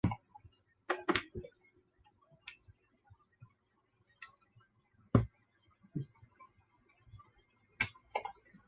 本科生专业设有建筑学。